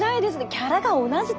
ギャラが同じとは。